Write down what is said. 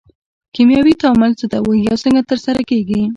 کیمیاوي تعامل څه ته وایي او څنګه ترسره کیږي